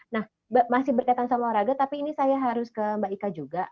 nah masih berkaitan sama olahraga tapi ini saya harus ke mbak ika juga